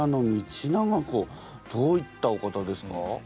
どういったお方ですか？